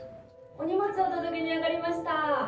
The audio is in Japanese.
・お荷物お届けに上がりました！